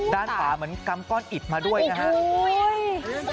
ด้านฝาเหมือนกำก้อนอิดมาด้วยนะครับ